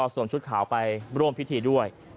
ชุดขาวไปร่วมพิธีด้วย